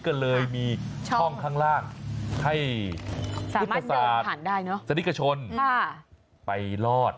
ก็เลยมีช่องข้างล่างให้พุทธศาสตร์สนิกชนไปรอด